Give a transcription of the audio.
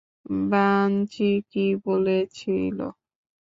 Bungee কি বলেছিলো?